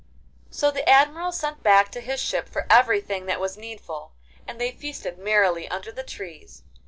So the Admiral sent back to his ship for everything that was needful, and they feasted merrily under the trees.